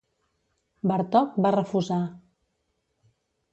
Bartók va refusar.